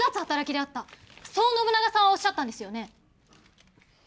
そう信長さんはおっしゃったんですよね？